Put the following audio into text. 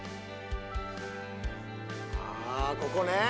あここね！